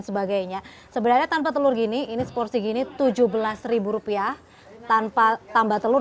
sebagainya sebenarnya tanpa telur gini ini seporsi gini tujuh belas rupiah tanpa tambah telur